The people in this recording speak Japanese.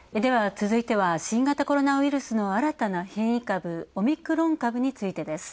続いては新型コロナウイルスの新たな変異株、オミクロン株についてです。